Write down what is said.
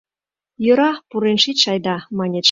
— Йӧра, пурен шич айда, — маньыч.